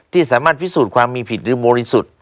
สามารถพิสูจน์ความมีผิดหรือบริสุทธิ์